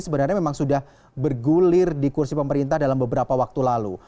sebenarnya memang sudah bergulir di kursi pemerintah dalam beberapa waktu lalu